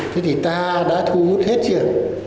thế thì ta đã thu hút hết chưa